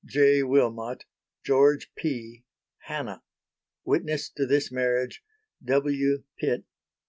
"J. Wilmot." "George P." "Hannah." Witness to this marriage "W. Pitt."